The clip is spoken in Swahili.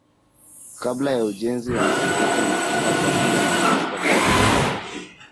Kabla ya ujenzi wa msikiti mahali palikuwa na kanisa la Mt.